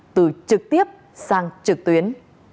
từ trực tiếp sang trực tuyến